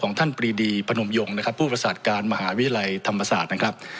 ท่านปรีดีพนมยงนะครับผู้ประสาทการมหาวิทยาลัยธรรมศาสตร์นะครับ